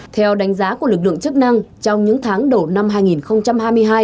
theo đánh giá của lực lượng chức năng trong những tháng đầu năm hai nghìn hai mươi hai